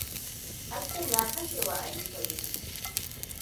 Hasken ya kashewa Aliko ido.